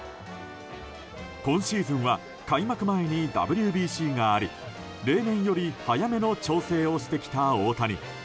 今シーズンは開幕前にＷＢＣがあり例年より早めの調整をしてきた大谷。